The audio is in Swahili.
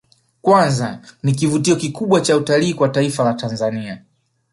Kwanza ni kivutio kikubwa cha utalii kwa taifa la Tanzania